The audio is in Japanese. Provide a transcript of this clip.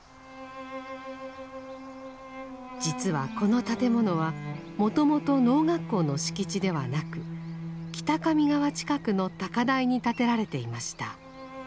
実はこの建物はもともと農学校の敷地ではなく北上川近くの高台に建てられていました。